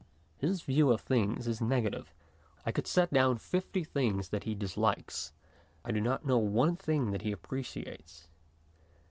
His view of things is negative ; I could set down fifty things that he dislikes, I do not know one thing that he appreciates.